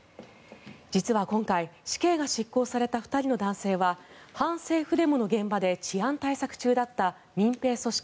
実は今回死刑が執行された２人の男性は反政府デモの現場で治安対策中だった民兵組織